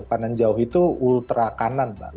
kanan jauh itu ultra kanan mbak